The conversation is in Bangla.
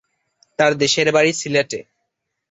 তার দেশের বাড়ি সিলেটে।